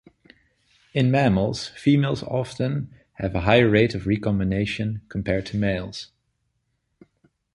In mammals, females often have a higher rate of recombination compared to males.